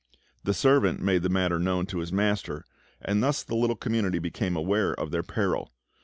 The servant made the matter known to his master, and thus the little community became aware of their peril.